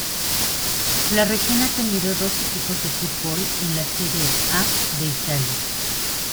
La región ha tenido dos equipos de fútbol en la Serie A de Italia.